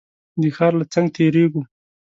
د ښار له څنګ تېرېږو.